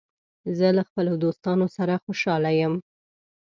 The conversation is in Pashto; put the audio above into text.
زه له خپلو دوستانو سره خوشاله یم.